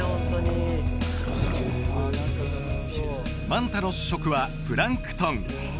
マンタの主食はプランクトン